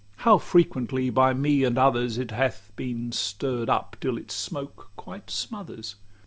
How frequently, by me and others, It hath been stirr'd up till its smoke quite smothers!